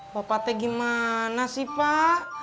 bapak t gimana sih pak